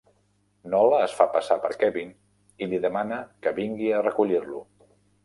Nola es fa passar per Kevin i li demana que vingui a recollir-lo.